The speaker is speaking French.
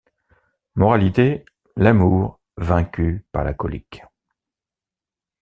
Moralité: l’amour vaincu par la colique.